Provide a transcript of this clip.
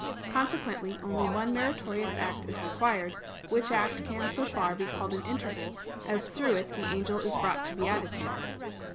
Consequently, only one meritorious act is required; which act can so far be called an interval as through it the angel is brought to beatitude.